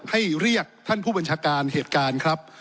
ให้เรียกท่านผู้บัญชาการเหตุการณ์ครับ